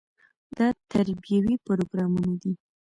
دا تربیوي پروګرامونه دي.